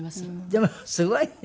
でもすごいね。